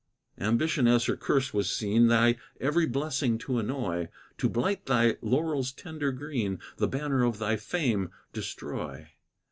Ambition as her curse was seen, Thy every blessing to annoy; To blight thy laurels' tender green; The banner of thy fame destroy.